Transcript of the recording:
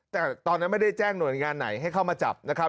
แต่ตอนนั้นไม่ได้แจ้งหน่วยงานไหนให้เข้ามาจับนะครับ